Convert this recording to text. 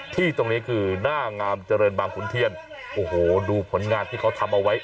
ที่ตรงนี้คือหน้างามเจริญบางขุนเทียนโอ้โหดูผลงานที่เขาทำเอาไว้